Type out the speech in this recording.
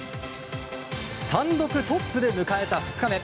単独トップで迎えた２日目。